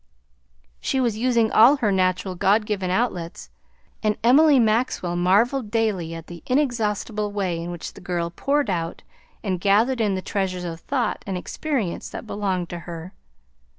She was using all her natural, God given outlets; and Emily Maxwell marveled daily at the inexhaustible way in which the girl poured out and gathered in the treasures of thought and experience that belonged to her.